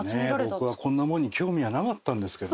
僕はこんな物に興味はなかったんですけどね。